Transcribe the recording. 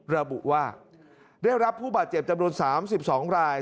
ระบุว่าได้รับผู้บาดเจ็บจำนวน๓๒ราย